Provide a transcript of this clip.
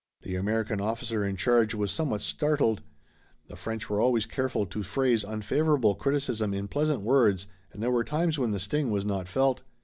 The American officer in charge was somewhat startled. The French were always careful to phrase unfavorable criticism in pleasant words and there were times when the sting was not felt.